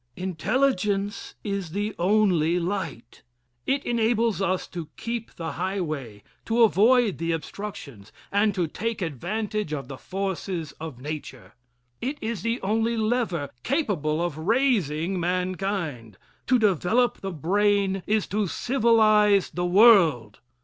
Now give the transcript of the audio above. Intelligence is the only light. It enables us to keep the highway, to avoid the obstructions, and to take advantage of the forces of nature. It is the only lever capable of raising mankind. To develop the brain is to civilize the world.